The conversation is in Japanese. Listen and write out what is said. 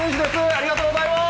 ありがとうございます。